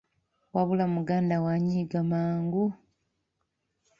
Wabula muganda wo anyiiga mangu!